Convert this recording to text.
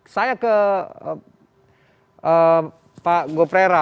saya ke pak goprera